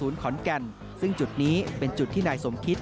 ขอนแก่นซึ่งจุดนี้เป็นจุดที่นายสมคิต